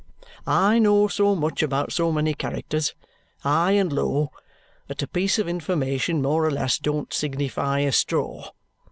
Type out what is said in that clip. I know so much about so many characters, high and low, that a piece of information more or less don't signify a straw.